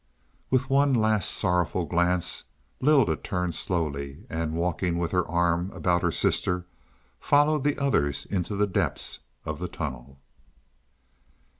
With one last sorrowful glance Lylda turned slowly, and, walking with her arm about her sister, followed the others into the depths of the tunnel.